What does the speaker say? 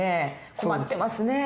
困ってますね。